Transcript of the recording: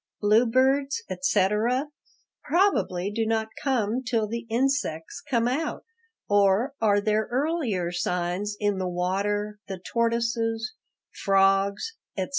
Bluebirds, etc., probably do not come till the insects come out. Or are there earlier signs in the water, the tortoises, frogs, etc.?"